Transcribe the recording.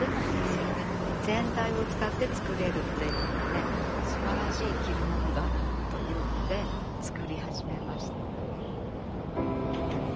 全体を使って作れるっていうのですばらしい着るものだなというので作り始めました。